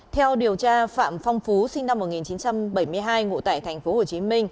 theo điều tra phạm phong phú sinh năm một nghìn chín trăm bảy mươi hai ngụ tại tp hcm